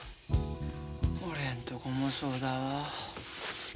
俺んとこもそうだわ。